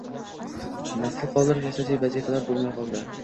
Nasl qoldirish asosiy vazifalar bo’lmay qoldi.